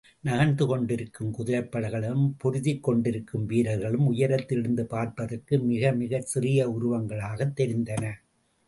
நகர்ந்து கொண்டிருக்கும் குதிரைப்படைகளும் பொருதிக் கொண்டிருக்கும் வீரர்களும், உயரத்திலிருந்து பார்ப்பதற்கு மிகமிகச் சிறிய உருவங்களாகத் தெரிந்தன.